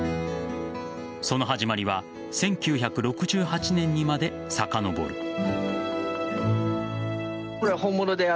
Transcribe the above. その始まりは１９６８年にまでさかのぼる。